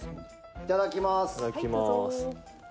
いただきます。